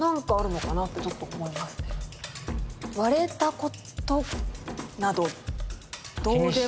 割れたことなどどうでもいい。